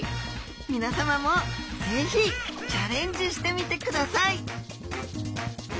皆さまも是非チャレンジしてみてください！